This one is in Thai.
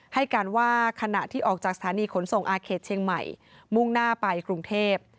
ให้การว่าขณะที่ออกจากสถานีขนส่งอาเขตเชียงใหม่มุ่งหน้าไปกรุงเทพ